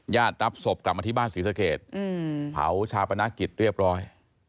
รับศพกลับมาที่บ้านศรีสเกตเผาชาปนกิจเรียบร้อย